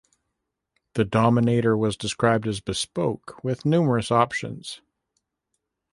The Dominator was described as bespoke, with numerous options.